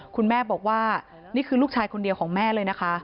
คุณแม่บอกว่านี่คือลูกชายคนเดียวของแม่เลยนะคะ